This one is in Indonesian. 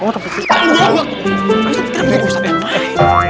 ustadz tidak mungkin ustadz yang main